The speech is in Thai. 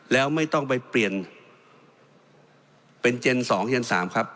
แล้วไม่ต้องไปเปลี่ยนเป็นเจน๒เจน๓ครับ